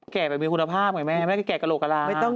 แก่แบบมีคุณภาพไงแม่แก่กะโหลกระลาฮ